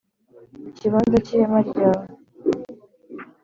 ikibanza cy ihema ryawe